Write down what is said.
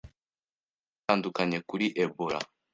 amakuru atandukanye kuri Ebola,